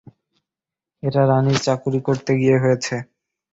এটা রাণীর চাকুরী করতে গিয়ে হয়েছে।